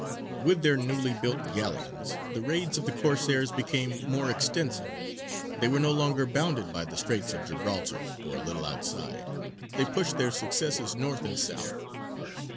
[Illustration: ANCHOR.] With their newly built galleons, the raids of the Corsairs became more extensive: they were no longer bounded by the Straits of Gibraltar, or a little outside; they pushed their successes north and south.